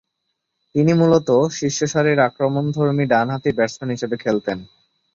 তিনি মূলতঃ শীর্ষসারির আক্রমণধর্মী ডানহাতি ব্যাটসম্যান হিসেবে খেলতেন।